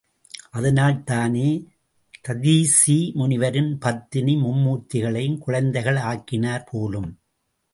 அதனால் தானே ததீசி முனிவரின் பத்தினி மும்மூர்த்திகளையும் குழந்தைகள் ஆக்கினார் போலும்.